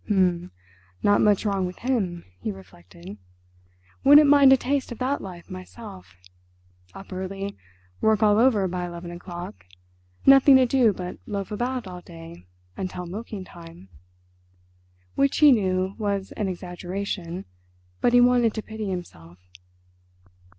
"H'm, not much wrong with him," he reflected. "Wouldn't mind a taste of that life myself. Up early, work all over by eleven o'clock, nothing to do but loaf about all day until milking time." Which he knew was an exaggeration, but he wanted to pity himself.